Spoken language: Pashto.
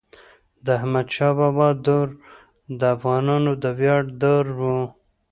د احمد شاه بابا دور د افغانانو د ویاړ دور و.